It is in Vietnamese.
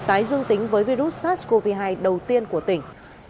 tái dương tính với virus sars cov hai đầu tiên của tỉnh